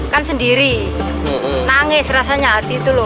kan sendiri nangis rasanya hati itu loh